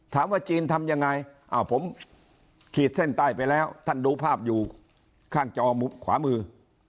ถามว่าจีนทำยังไงอ้าวผมขีดเส้นใต้ไปแล้วท่านดูภาพอยู่ข้างจอขวามือ